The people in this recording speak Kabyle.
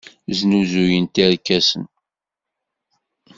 Snuzuyent irkasen.